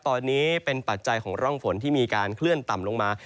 ตอนนี้เป็นปัจจัยของร่องฝนที่มีการเคลื่อนต่ำลงมา